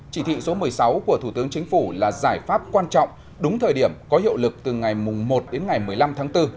chỉ thị số một mươi sáu của thủ tướng chính phủ là giải pháp quan trọng đúng thời điểm có hiệu lực từ ngày một đến ngày một mươi năm tháng bốn